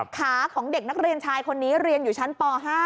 ขาของเด็กนักเรียนชายคนนี้เรียนอยู่ชั้นป๕